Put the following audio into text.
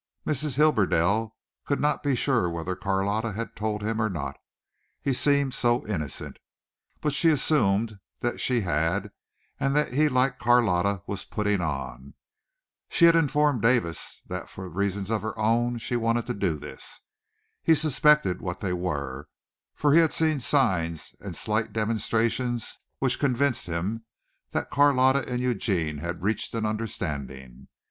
Mrs. Hibberdell could not be sure whether Carlotta had told him or not, he seemed so innocent, but she assumed that she had and that he like Carlotta was "putting on." She had informed Davis that for reasons of her own she wanted to do this. He suspected what they were, for he had seen signs and slight demonstrations which convinced him that Carlotta and Eugene had reached an understanding.